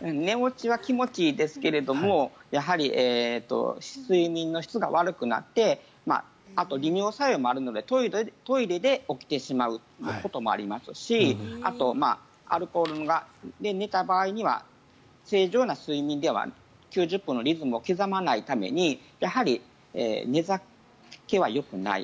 寝落ちは気持ちいいですけれどもやはり睡眠の質が悪くなってあと、利尿作用もあるのでトイレで起きてしまうこともありますしあと、アルコールが寝た場合には正常な睡眠では９０分のリズムを刻まないためにやはり寝酒はよくない。